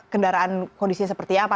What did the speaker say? kendaraan kondisinya seperti apa